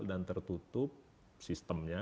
dan tertutup sistemnya